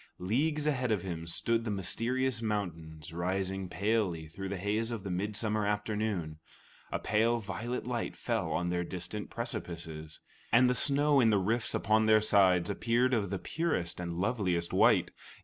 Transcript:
Leagues ahead of him stood the mysterious mountains rising palely through the haze of the midsummer afternoon. A pale violet light fell on their distant precipices, and the snow in the rifts upon their sides appeared of the purest and loveliest white.